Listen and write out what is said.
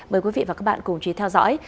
mời quý vị và các bạn cùng chú ý theo dõi